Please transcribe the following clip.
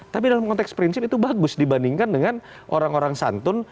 tapi dalam konteks prinsip itu bagus dibandingkan dengan orang orang santun